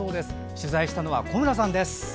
取材したのは小村さんです。